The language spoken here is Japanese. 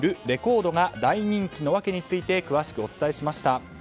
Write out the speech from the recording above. レコードが大人気の訳について詳しくお伝えしました。